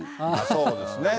そうですね。